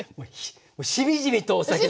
しみじみとお酒の話。